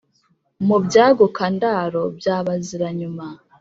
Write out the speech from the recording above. mu byaguka-ndaro bya bazira-nyuma.